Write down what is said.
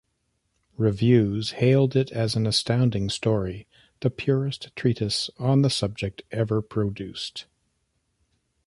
Reviews hailed it as an astounding story...the purest treatise on the subject ever produced.